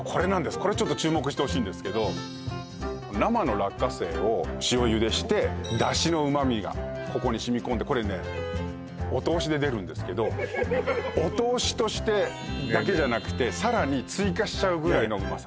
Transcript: これ注目してほしいんですけど生の落花生を塩ゆでして出汁の旨味がここに染み込んでこれねお通しで出るんですけどお通しとしてだけじゃなくてさらに追加しちゃうぐらいのうまさ